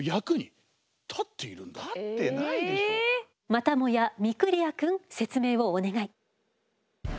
またもや御厨くん説明をお願い。